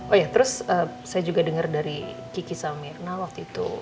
oh iya terus saya juga dengar dari kiki samirna waktu itu